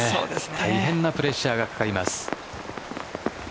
大変なプレッシャーがかかります。